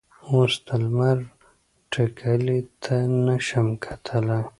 اوس د لمر ټیکلي ته نه شم کتلی.